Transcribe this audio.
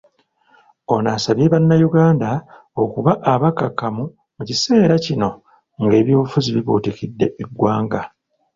Ono asabye bannayuganda okuba abakkakkamu mu kiseera kino nga ebyobufuzi bibuutikidde eggwanga.